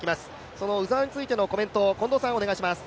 その鵜澤についてのコメントを近藤さん、お願いします。